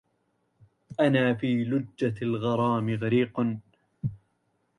أنا في لجة الغرام غريق